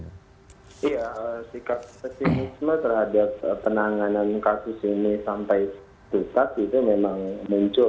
ya sikap pesimisme terhadap penanganan kasus ini sampai sesat itu memang muncul ketika kita ngobrol dan ketemu dengan novel